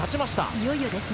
いよいよですね。